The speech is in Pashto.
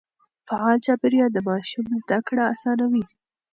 فعال چاپېريال د ماشوم زده کړه آسانوي.